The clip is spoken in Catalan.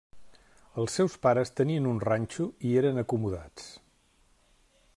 Els seus pares tenien un ranxo i eren acomodats.